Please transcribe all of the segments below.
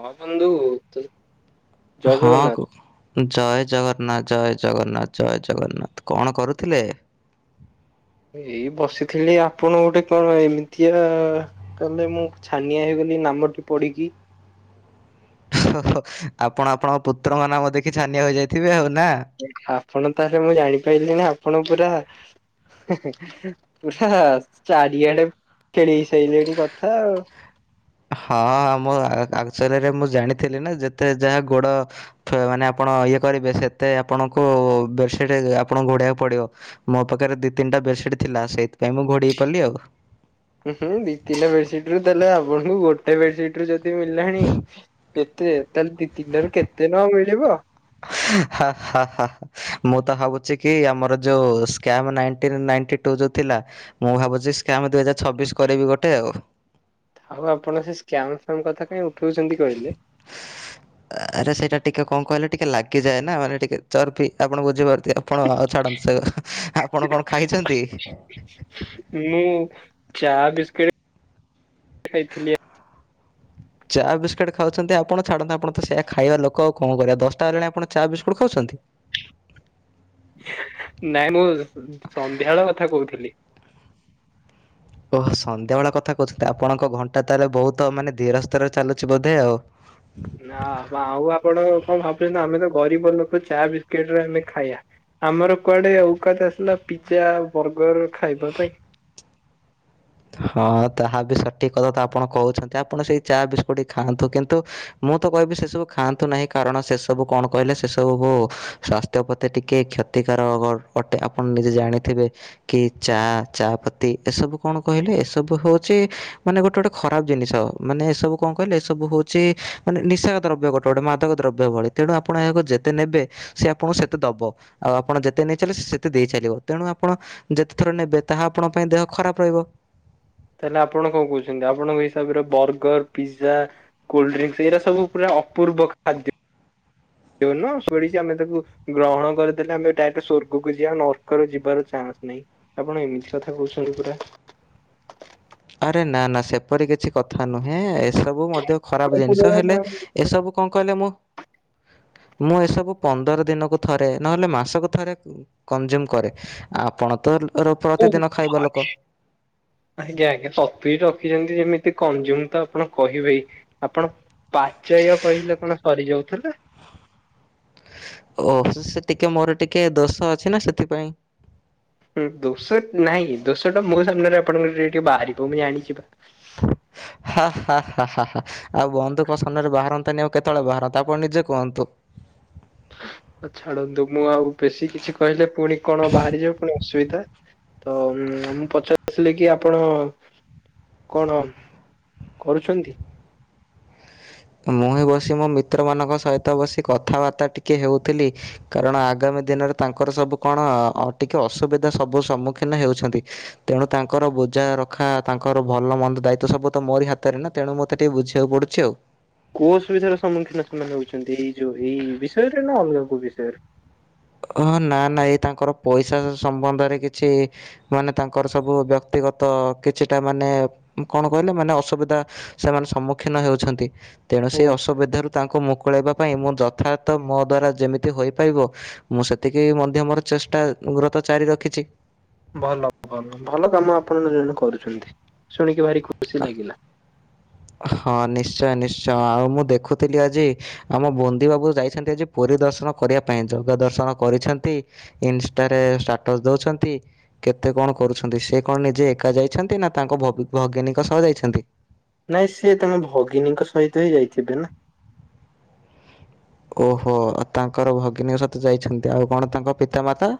ହଁ ବନ୍ଧୁ। ଜୟ ହଁ ଜଗନ୍ନାଥ। କୁହ। ଜୟ ଜଗନ୍ନାଥ, ଜୟ ଜଗନ୍ନାଥ, ଜୟ ଜଗନ୍ନାଥ, କଣ କରୁଥିଲେ? ଏଇ ବସିଥିଲି, ଆପଣ ଗୋଟେ କଣ ଏମିଠିଆ? ତମେ ମୁଁ ଛାନିଆ ହେଇଗଲି ନାମଟି ପଢିକି। [unintelligible] ଆପଣ ଆପଣଙ୍କ ପୁତ୍ରଙ୍କ ନାମ ଦେଖି ଛାନିଆ ହେଯାଇଥିବେ ଆଉ ନା? ଆପଣ ତାହେଲେ ମୁଁ ଜାଣିପାରିଲି ନା ଆପଣ ପୁରା ପୁରା ଚାରିଆଡେ ଖେଳେଇ ସାରିଲେଣି କଥା ଆଉ। ହଁ, ମୁଁ [unintelligible] ମୁଁ ଜାଣିଥିଲି ନା ଯେତେ ଯାହା ଗୋଡ ମାନେ ଆପଣ ଇଏ କରିବେ ସେତେ ଆପଣଙ୍କୁ ବେଡ଼ସିଟ୍ ଆପଣଙ୍କୁ ଘୋଡ଼ାଇବାକୁ ପଡ଼ିବ। ମୋ ପାଖରେ ଦି ତିନିଟା ବେଡସିଟ୍ ଥିଲା ସେଇଥିପାଇଁ ମୁଁ ଘୋଡ଼ିହେଇପଡିଲି ଆଉ। ହୁଁ ଦି ତିନ ବେଡସିଟ ରୁ ତାହଲେ ଆପଣଙ୍କୁ ଗୋଟେ ବେଡସିଟ ରୁ ଯଦି ମିଳିଲାଣି କେତେ ତାହେଲେ ଦି ତିନିଟାରୁ କେତେ ନ ମିଳିବ? ହା ହା ହା। ମୁଁ ତ ଭାବୁଛି କି ଆମର ଯୋଉ ସ୍କାମ୍ ନାଇଣ୍ଟି୍ ରୁ ନାଇଣ୍ଟି ଟୁ ଯୋଉ ଥିଲା ମୁଁ ଭାବୁଛି ସ୍କାମ୍ ଦୁଇ ହଜାର ଛବିଶ୍ କରିବି ଗୋଟେ ଆଉ। ଆଉ ଆପଣ ସେ ସ୍କାମ୍ ଫାମ୍ କଥା କାଇଁ ଉଠଉଛନ୍ତି କହିଲେ? [inaudible] ଆରେ ସେଇଟା ଟିକେ କଣ କହିଲେ ଟିକେ ଲାଗିଯାଏ ନା ମାନେ ଟିକେ ଚର୍ବି ଆପଣ ବୁଝିପାରୁଥୂବେ। ଆପଣ ଛାଡ଼ନ୍ତୁ ସେ ଆପଣ କଣ ଖାଇଛନ୍ତି? ମୁଁ ଚା ବିସ୍କୁିଟ୍ ଖାଇଥିଲି ଆଉ। [inaudible] ଚା ବିସ୍କୁଟ ଖାଉଛନ୍ତି ଆପଣ ଛାଡ଼ନ୍ତୁ ଆପଣ ତ ସେୟୀଆ ଖାଇବା ଲୋକ ଆଉ କଣ କରିବା ଦଶଟା ହେଲାଣି ଆପଣ ଚା ବିସ୍କୁଟ ଖାଉଛନ୍ତି? ନାଇଁ ମୁଁ ସନ୍ଧ୍ୟାବେଳ କଥା କହୁଥିଲି। ଓ ସନ୍ଧ୍ୟାବେଳେ କଥା କହୁଛନ୍ତି ଆପଣଙ୍କ ଘଣ୍ଟା ତାହେଲେ ବହୁତ ମାନେ ଧୀରସ୍ତରରେ ଚାଲୁଛି ବୋଧେ ଆଉ। [inaudible] ନା ଆଉ ଆପଣ କଣ ଭାବୁଛନ୍ତି ଆମେ ତ ଗରିବ ଲୋକ ଚା ବିସ୍କୁିଟ ରେ ଆମେ ଖାଇବା। ଆମର କୁଆଡେ ଓଉକାତ ଆସିଲା ପିଜଜା ବର୍ଗର ଖାଇବା ପାଇଁ‌। ହଁ ତାହା ବି ସଠିକ କଥା ତ ଆପଣ କହୁଛନ୍ତି ଆପଣ ସେଇ ଚା ବିସ୍କୁଟ ହିଁ ଖାଆନ୍ତୁ କିନ୍ତୁ ମୁଁ ତ କହିବି ସେ ସବୁ ଖାଆନ୍ତୁ ନାହିଁ କାରଣ ସେ ସବୁ କଣ କହିଲେ ସେ ସବୁ ସ୍ବାସ୍ ପ୍ରତି ଟିକେ କ୍ଷତିକାରକ ଅଟେ ଆପଣ ନିଜେ ଜାଣିଥିବେ କି ଚା ଚାପତି ଏସବୁ କଣ କହିଲେ? ଏସବୁ ହଉଛି ମାନେ ଗୋଟେ ଗୋଟେ ଖରାପ ଜିନିଷ। ମାନେ ଏ ସବୁ କଣ କହିଲେ? ଏସବୁ ହଉଛି ମାନେ ନିଶା ଦ୍ରବ୍ୟ ଗୋଟେ ରୋଡ଼ ମାଦକ ଦ୍ରବ୍ୟ ଭଳି ତେଣୁ ଆପଣ ଏହାକୁ ଯେତେ ନେବେ ସେ ଆପଣଙ୍କୁ ସେତେ ଦବ। ଆଉ ଆପଣ ଯେତେ ନେଇ ଚାଲେେ ସେ ସେତେ ଦେଇ ଚାଲିବ। ତେଣୁ ଆପଣ ଯେତେ ଥର ନେବେ ତାହା ଆପଣଙ୍କ ପାଇଁ ଦେହ ଖରାପ ରହିବ। ତାହେଲେ ଆପଣ କଣ କହୁଛନ୍ତି? ଆପଣଙ୍କ ହିସାବରେ ବର୍ଗର, ପିଜା କୋଲ୍ଡ୍ରିଙ୍କ ଏଇା ସବୁ ପୁରା ଅପୂର୍ବ ଖାଦ୍ୟ। ଦେଉନ ଶୁଡୁଛି ଆମେ ତାକୁ ଗ୍ରହଣ କରିଦେଲେ ଆମେ ଡାଇରେକ୍ଟ ସ୍ବର୍ଗକୁ ଯିବା ନର୍କରେ ଯିବାର ଚାନ୍ସ ନାହିଁ। ଆପଣ ଏମିତି କଥା କହୁଛନ୍ତି ପୁରା? ଆରେ ନା ନା ସେପରି କିଛି କଥା ନୁହେଁ ଏସବୁ ମଧ୍ୟ ଖରାପ ଆଜ୍ଞା ଜିନିଷ ହେଲେ ଏସବୁ କଣ କହିଲେ ମୁଁ? ମୁଁ ଏସବୁ ପନ୍ଦର ଦିନକୁ ଥରେ ନହେଲେ ମାସକୁ ଥରେ କାଜ୍ଜୁମୁ କରେ। ଆପଣ ତ ର ଓହ ପ୍ରତିଦିନ ଖାଇବା ଲୋକ [unintelligible] ଆଜ୍ଞା ଆଜ୍ଞା, ସତୁଇ ରଖିଛନ୍ତି ଯେମିତି କଂଜୁମ ତ ଆପଣ କହିବେ। ଆପଣ ପାଚୟ୍ୟ କହିଲେ କଣ ସରିଯାଉଥିଲେ? ଓହୋ ସେ ଟିକେ ମୋର ଟିକେ ଦୋଷ ଅଛି ନା ସେଥିପାଇଁ। ଦୋଷ ନାଇଁ କି ଦୋଶ ଟା ମୋ ସାମ୍ନାରେ ଆପଣଙ୍କର ଟିକ ଟିକେ ବାହାରିବ ମୁଁ ଜାଣିଛିିବା। ହାଁ ହାଁ ହାଁ ହାଁ ହାଁ। ଆଉ ବନ୍ଧୁ ଙ୍କ ସମ୍ନାରେ ବାହାରନ୍ତାନି ଆଉ କେତେବେଳେ ବାହାରନ୍ତା ଆପଣ ନିଜେ କୁହନ୍ତୁ? ଛାଡ଼ନ୍ତୁ ମୁଁ ଆଉ ବେଶୀ କିଛି କହିଲେ ପୁଣି କଣ ବାହାରିଯିବ ପୁଣି ଅସୁବିଧା। ତ ମୁଁ ପଚାରିଥିଲି କି ଆପଣ କଣ କରୁଛନ୍ତି? ମୁଁ ହିଁ ବସି ମୋ ମିତ୍ରମାନଙ୍କ ସହିତ ବସି କଥାବାର୍ତ୍ତା ଟିକେ ହେଉଥିଲି। କାରଣ ଆଗାମୀ ଦିନରେ ତାଙ୍କର ସବୁ କଣ ଟିକେ ଅସୁବିଧା ସବୁ ସମ୍ମୁଖୀନ ହେଉଛନ୍ତି? ତେଣୁ ତାଙ୍କର ବୁଝା ରଖା ତାଙ୍କର ଭଲ ମନ୍ଦ ଦାୟିତ୍ୱ ସବୁ ତ ମୋରି ହାତରେ ନା। ତେଣୁ ମତେ ଟିକେ ବୁଝିବାକୁ ପଡୁଛି ଆଉ। କୋଉ ଅସୁବିଧାର ସମ୍ମୁଖୀନ ସେମାନେ ହଉଛନ୍ତି ଏଇ ଯୋଉ ଏଇ ବିଷୟରେ ନା ଅଲଗା କୋଉ ବିଷୟରେ। ହ ନା ନା ଏଇ ତାଙ୍କର ପଇସା ସମ୍ବନ୍ଧରେ କିଛି ମାନେ ତାଙ୍କର ସବୁ ବ୍ୟକ୍ତିଗତ କିଛିଟା ମାନେ କଣ କହିଲେ ମାନେ ଅସୁବିଧା? ସେମାନେ ସମ୍ମୁଖୀନ ହେଉଛନ୍ତି। ତେଣୁ ଓ ସେ ଅସୁବିଧାରୁ ତାଙ୍କୁ ମୁକୁଳାଇବା ପାଇଁ ମୁଁ ଯଥାର୍ଥ ମୋ ଦ୍ଵାରା ଯେମିତି ହୋଇପାରିବ। ମୁଁ ସେତିକି ମଧ୍ୟ ମୋର ଚେଷ୍ଟା ଗୁରତ ଜାରି ରଖିଛି। ଭଲ ଭଲ ଭଲ କାମ ଆପଣ ଜଣେ କରୁଛନ୍ତି? ଶୁଣିକି ଭାରି ଖୁସି ଲାଗିଲା। ହଁ ନିଶ୍ଚୟ ନିଶ୍ଚୟ ଆଉ ମୁଁ ଦେଖୁଥିଲି ଆଜି ଆମ ବନ୍ଦୀ ବାବୁ ଯାଇଛନ୍ତି ଆଜି ପୁରୀ ଦର୍ଶନ କରିବା ପାଇଁ ଜଗ ଦର୍ଶନ କରିଛନ୍ତି। ଇନଷ୍ଟାରେ ଷ୍ଟାଟସ ଦଉଛନ୍ତି। କେତେ କଣ କରୁଛନ୍ତି? ସେ କଣ ନିଜେ ଏକା ଯାଇଛନ୍ତି ନା ତାଙ୍କ ଭଜ୍ଞାନୀଙ୍କ ସହ ଯାଇଛନ୍ତି? ନାଇଁ ସିଏ ତମେ ଭଗିନୀଙ୍କ ସହିତ ହିଁ ଯାଇଥିବେ ନା। ଓହୋ ତାଙ୍କର ଭଗିନୀଙ୍କ ସତେ ଯାଇଛନ୍ତି। ଆଉ କଣ ତାଙ୍କ ପିତାମାତା?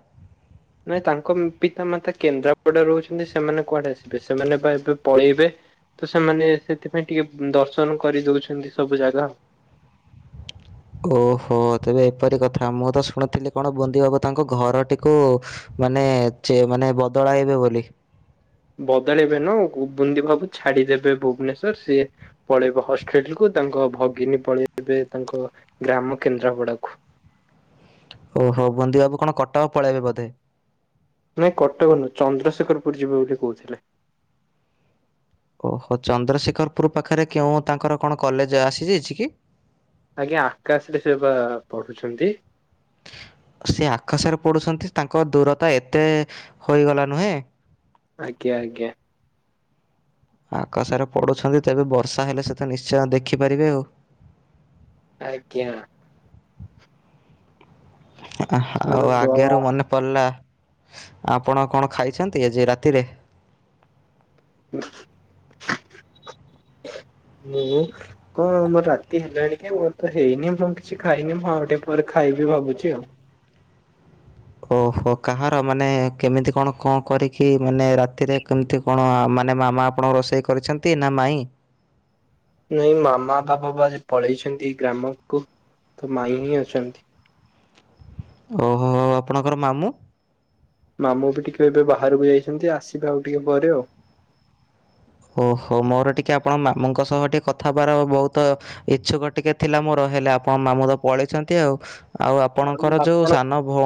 ନାଇ ତାଙ୍କ ପିତା ମାତା କେନ୍ଦ୍ରାପଡା ରହୁଛନ୍ତି। ସେମାନେ କୁଆଡେ ଆସିବେ ସେମାନେ ବା ଏବେ ପଳେଇବେ। ତ ସେମାନେ ସେଥିପାଇଁ ଟିକେ ଦର୍ଶନ କରିଦଉଛନ୍ତି ସବୁ ଜାଗା ଆ। ଓହୋ ତେବେ ଏପରି କଥା ମୁଁ ତ ଶୁଣିଥିଲି କଣ ବନ୍ଦୀ ବାବୁ ତାଙ୍କ ଘରଟିକୁ? ମାନେ ଚେ ମାନେ ବଦଳାଇବେ ବୋଲି। ବଦାଳିବ ନୁହଁ ବୁନ୍ଦି ବାବୁ ଛାଡିଦେବେ ଭୁବନେଶ୍ଵର। ସିଏ ପଳେଇବେ ହଷ୍ଟେଲ କୁ ତାଙ୍କ ଭଗିନୀ ପଳେଇବେ ତାଙ୍କ ଗ୍ରାମ କେନ୍ଦ୍ରାପଡା କୁ। ଓ ହୋ ବନ୍ଦୀ ବାବୁ କଣ କଟକ ପଳେଇବେ ବୋଧେ? ନାଇଁ କଟକ ଚନ୍ଦ୍ରଶେଖରପୁର ଯିବେ ବୋଲି କହୁଥିଲେ। ଓହୋ ଚନ୍ଦ୍ରଶେଖରପୁର ପାଖରେ କେଉଁ ତାଙ୍କର କଣ କଲେଜ ଆସିଯାଇଛି କି? ଆଜ୍ଞା ଆକାଶରେ ସିଏ ବା ପଢ଼ୁଛନ୍ତି। ସେ ଆକାଶରେ ପଡ଼ୁଛନ୍ତି ତାଙ୍କ ଦୂରତା ଏତେ ହୋଇଗଲା ନୁହେଁ। ଆଜ୍ଞା ଆଜ୍ଞା। ଆକାଶରେ ପଡ଼ୁଛନ୍ତି ତେବେ ବର୍ଷା ହେଲେ ସେ ତ ନିଶ୍ଚୟ ଦେଖିପାରିବେ ଆଉ ଆଜ୍ଞା। ଆଉ ଛାଡ଼ନ୍ତୁ ଆଉ ଆଗରୁ ମନେ ପଡ଼ିଲା ଆପଣ କଣ ଖାଇଛନ୍ତି ଆଜି ରାତିରେ? [inaudible] ହୁଁ। ହଁ ମୋର ରାତି ହେଲାଣି କି ମୋର ତ ହେଇନି ମୁଁ କିଛି ଖାଇନି ମୁଁ ଆଉ ଟିକେ ପରେ ଖାଇବି ଭାବୁଛି ଆଉ। ଓହୋ କାହାର ମାନେ କେମିତି କଣ କଣ କରିକି ମାନେ ରାତିରେ କେମିତି କଣ ମାନେ ମାମା ଆପଣଙ୍କ ରୋଷେଇ କରିଛନ୍ତି ନା ମାଈ? ନାଇଁ ମାମା ବାପା ବା ପଳେଇଛନ୍ତି ଗ୍ରାମକୁ ତ ମାଇଁ ହିଁ ଅଛନ୍ତି। ଓହୋ ଆପଣଙ୍କର ମାମୁଁ? ମାମୁ ବି ଟିକେ ଏବେ ବାହାରକୁ ଯାଇଛନ୍ତି ଆସିବେ ଆଉ ଟିକେ ପରେ ଆଉ। ଓହୋ ମୋର ଟିକିଏ ଆପଣ ମାମୁଙ୍କ ସହ ଟିକେ କଥାବାର୍ ବହୁତ ଇଛୁକ ଟିକେ ଥିଲା ମୋର ହେଲେ ଆପଣ ମାମୁଁ ତ ପଳେଇଛନ୍ତି ଆଉ ଆଉ ଆପଣଙ୍କର ଯେଉଁ ସାନ ଭଉ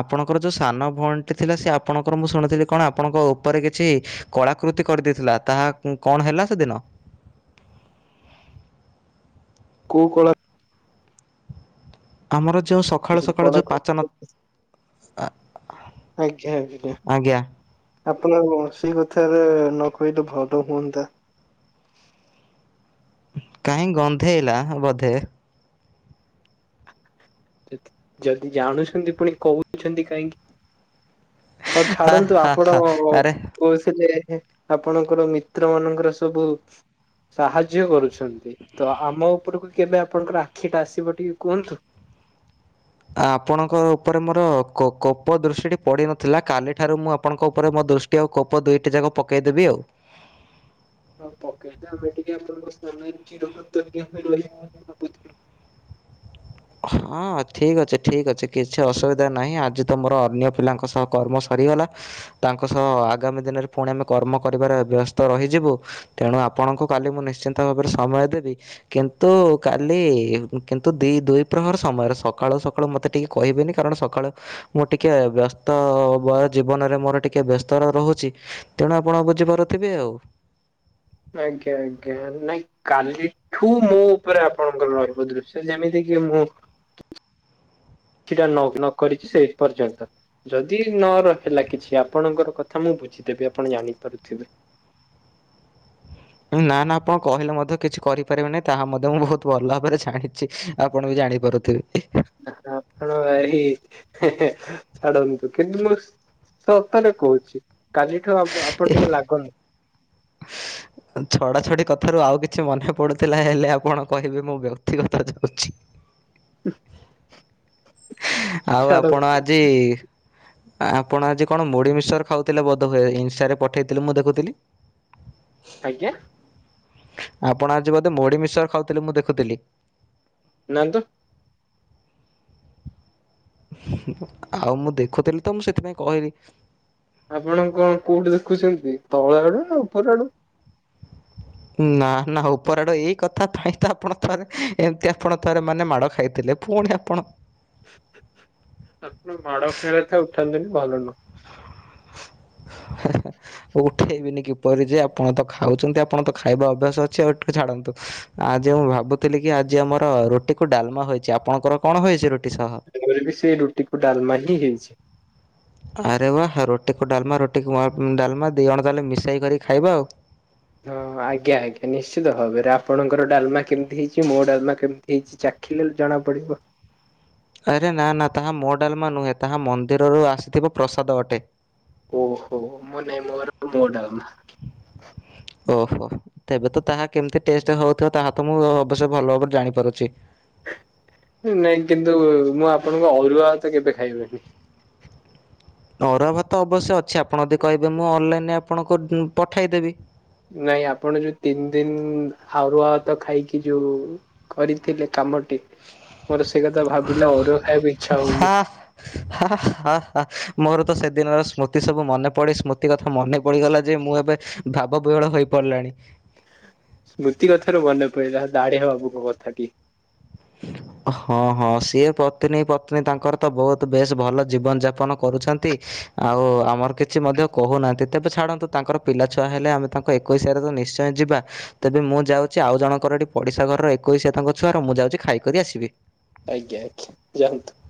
ଆପଣଙ୍କର ଯେଉ ସାନ ଭଉଣୀଟି ଥିଲା ସେ ଆପଣଙ୍କର ମୁଁ ଶୁଣିଥିଲି କଣ ଆପଣଙ୍କ ଉପରେ କିଛି କଳାକୃତି କରିଦେଇଥିଲା ତାହା କଣ ହେଲା ସେଦିନ? କୋଉ କଳା ଆମର ଯେଉଁ ସକାଳୁ ସକାଳୁ ଯେଉଁ କଳା ପାଚନ ଆଜ୍ଞା ଆଜ୍ଞା। ଆଜ୍ଞା ଆପଣ କଣସି କଥାରେ ନ କହିଲେ ଭଲ ହୁଅନ୍ତା। କାହିଁ ଗନ୍ଧେଇଲା ବୋଧେ? ଯଦି ଜାଣୁଛନ୍ତି ପୁଣି କହୁଛନ୍ତି କାହିଁକି? ହଁ ହା ଛାଡନ୍ତୁ ହା ଆପଣ ହା ଆରେ ସେରେ ଆପଣଙ୍କର ମିତ୍ର ମାନଙ୍କର ସବୁ ସାହାଯ୍ୟ କରୁଛନ୍ତି ତ ଆମ ଉପରକୁ କେବେ ଆପଣଙ୍କର ଆଖିଟା ଆସିବ ଟିକେ କୁହନ୍ତୁ ଆପଣଙ୍କ ଉପରେ ମୋର କୋ କୋପ ଦୃଷ୍ଟି ପଡ଼ିନଥିଲା କାଲିଠାରୁ ମୁଁ ଆପଣଙ୍କ ଉପରେ ମୋ ଦୃଷ୍ଟି ଗୋଟି ଆଉ କୋପ ଦୁଇଟି ଯାକ ପକାଇ ଦେବି ଆଉ। ହଁ ପକେଟ ଆମେ ଟିକେ ଆପଣଙ୍କ ସ୍ଥାନ ରେ ଚିରଉପକୃତ ହେଇକି ରହିବୁ। ଭାବୁଥିଲୁ। ହଁ ଠିକ୍ ଅଛି ଠିକ୍ ଅଛି କିଛି ଅସୁବିଧା ନାହିଁ ଆଜି ତ ମୋର ଅନ୍ୟ ପିଲାଙ୍କ ସହ କର୍ମ ସରିଗଲା ତାଙ୍କ ସହ ଆଗାମୀ ଦିନରେ ପୁଣି ଆମେ କର୍ମ କରିବାରେ ବ୍ୟସ୍ତ ରହିଯିବୁ ତେଣୁ ଆପଣଙ୍କୁ କାଲି ମୁଁ ନିଶ୍ଚିନ୍ତ ଭାବରେ ସମୟ ଦେବି କିନ୍ତୁ କାଲି କିନ୍ତୁ ଦି ଦୁଇ ପ୍ରହର ସମୟରେ ସକାଳ ସକାଳୁ ମୋତେ ଟିକେ କହିବେନି କାରଣ ସକାଳୁ ମୁଁ ଟିକେ ବ୍ୟସ୍ତ ବୟ ଜୀବନରେ ମୋର ଟିକେ ବ୍ୟସ୍ତ ରହୁଛି। ତେଣୁ ଆପଣ ବୁଝିପାରୁଥିବେ ଆଉ। ଆଜ୍ଞା ଆଜ୍ଞା। ନାଇଁ କାଲିଠୁ ମୋ ଉପରେ ଆପଣଙ୍କର ରହିବ ଦୃଶ୍ୟ ଯେମିତି କିି ମୁଁ କିଛି ଟା ନଗନ୍ କରିଛି ସେଇ ପର୍ଯ୍ୟନ୍ତ। ଯଦି ନ ରହଲା କିଛି ଆପଣଙ୍କର କଥା ମୁଁ ବୁଝିଦେବି ଆପଣ ଜାଣିପାରୁଥିବେ ନା ନା ଆପଣ କହିଲେ ମଧ୍ୟ କିଛି କରିପାରିବେନି ତାହା ମଧ୍ୟ ମୁଁ ବହୁତ ଭଲ ଭାବରେ ଜାଣିଛି ଆପଣ ବି ଜାଣିପାରୁ [inaudible] ଆପଣ ଏ ଛାଡ଼ନ୍ତୁ କିନ୍ତୁ ମୁଁ ସତରେ କହୁଛି କାଲିଠୁ ଆପଣ ଟିକେ ଲାଗନି ଛଡା ଛଡି କଥାରୁ ଆଉ କିଛି ମନେ ପଡୁଥିଲା ହେଲେ ଆପଣ କହିବେ ମୁଁ ବ୍ୟକ୍ତିଗତ ଯାଉଛି। ହୁଁ। ଆଉ ଆପଣ ଆଜି ଆପଣ ଆଜି କଣ ମୁଢି ମିକ୍ସଚର ଖାଉଥିଲେ ବୋଧେ ହୁଏ ଇନଷ୍ଟାରେ ପଠେଇଥିଲେ ମୁଁ ଦେଖୁଥିଲି। [inaudible] ଆଜ୍ଞା। ଆପଣ ଆଜି ବୋଧେ ମୁଢି ମିକ୍ସଚର ଖାଉଥିଲେ ମୁଁ ଦେଖୁଥିଲି। ନାଇଁ ତ। ଆଉ ମୁଁ ଦେଖୁଥିଲି ତ ମୁଁ ସେଥିପାଇଁ କହିଲି। ଆପଣ କଣ କୋଉଠି ଦେଖୁଛନ୍ତି ତଳ ଆଡୁ ନା ଉପର ଆଡୁ। ନା ନା ଉପର ଆଡୁ ଏଇ କଥା ପାଇଁ ତ ଆପଣ ଥରେ ଏମିତି ଆପଣ ଥରେ ମାନେ ମାଡ଼ ଖାଇଥିଲେ। ପୁଣି ଆପଣ ଆପଣ ମାଡ ଖାଇବା କଥା ଉଠାନ୍ତୁନି ଭଲ ନୁହଁ। [inaudible] ଉଠେଇବିନି କିପରି ଯେ ଆପଣ ତ ଖାଉଛନ୍ତି ଆପଣ ତ ଖାଇବା ଅଭ୍ୟାସ ଅଛି ଆଉ ଟିକ ଛାଡ଼ନ୍ତୁ। ଆଜି ମୁଁ ଭାବୁଥିଲି କି ଆଜି ଆମର ରୁଟିକୁ ଡାଲମା ହୋଇଛି। ଆପଣଙ୍କର କଣ ହୋଇଛି ରୁଟି ସହ? ଆମର ବି ସେଇ ରୁଟି ଡାଲମା ହିଁ ହେଇଛି। ଆରେ ୱା ରୁଟିକୁ ଡାଲମା ରୁଟିକୁ ଡାଲମା ଦୁଇ ଜଣ ତାହେଲେ ମିଶାଇକରି ଖାଇବା ଆଉ। ହଁ ଆଜ୍ଞା ଆଜ୍ଞା ନିଶ୍ଚିତ ଭାବରେ ଆପଣଙ୍କ ଡାଲମା କେମିତି ହେଇଛି ମୋ ଡାଲମା କେମତି ହେଇଛି ଚାଖିଲେ ଜଣା ପଡିବ। ଆରେ ନା ନା ତାହା ମୋ ଡାଲମା ନୁହେଁ, ତାହା ମନ୍ଦିରରୁ ଆସିଥିବା ପ୍ରସାଦ ଅଟେ। ଓହୋ ମୁଁ ନାଇଁ ମୋର ମୋ ଡାଲମା। [inaudible] ଓହୋ ତେବେ ତ ତାହା କେମିତି ଟେଷ୍ଟ ହଉଥିବ ତାହା ତ ମୁଁ ଅବଶ୍ୟ ଭଲ ଭାବରେ ଜାଣିପାରୁଛି। ନାଇଁ କିନ୍ତୁ ମୁଁ ଆପଣଙ୍କ ଅରୁଆ ଭାତ କେବେ ଖାଇବିନି। ଅରୁଆ ଭାତ ଅବଶ୍ୟ ଅଛି। ଆପଣ ଯଦି କହିବେ ମୁଁ ଅନଲାଇନରେ ଆପଣଙ୍କୁ ପଠାଇଦେବି। ନାଇଁ ଆପଣ ଯୋଉ ତିନି ଦିନ ହାରୁଆ ଭାତ ଖାଇକି ଯୋଉ କରିଥିଲେ କାମଟି। ମୋର ସେଇ କଥା ଭାବିଲା ଅରୁଆ ଖାଇବାକୁ ଇଚ୍ଛା ହଉନି। ହା-ହା-ହା ମୋର ତ ସେଦିନର ସ୍ମୃତି ସବୁ ମନେପଡି, ସ୍ମୃତି କଥା ମନେ ପଡିଗଲା ଯେ ମୁଁ ଏବେ ଭାବ ବିହଳ ହେଇ ପଡିଲାଣି। ସ୍ମୃତି କଥାରୁ ମନେ ପଡିଲ ଦାଢିଆ ବାବୁଙ୍କ କଥା ଟିକେ। [inaudible] ହଁ ହଁ ସିଏ ପତ୍ନୀ ପତ୍ନୀ ତାଙ୍କର ତ ବହୁତ ବେଶ ଭଲ ଜୀବନ ଯାପନ କରୁଛନ୍ତି। ଆଉ ଆମର କିଛି ମଧ୍ୟ କହୁନାହାଁନ୍ତି। ତେବେ ଛାଡ଼ନ୍ତୁ ତାଙ୍କର ପିଲାଛୁଆ ହେଲେ ଆମେ ତାଙ୍କୁ ଏକୋଇଶିଆରେ ତ ନିଶ୍ଚୟ ଯିବା। ତେବେ ମୁଁ ଯାଉଛି ଆଉ ଜଣଙ୍କର ଏଠି ପଡିଶା ଘରର ଏକୋଇଶିଆ ତାଙ୍କ ଛୁଆର ମୁଁ ଯାଉଛି ଖାଇକରି ଆସିବି। ଆଜ୍ଞା ଆଜ୍ଞା ଯାନ୍ତୁ।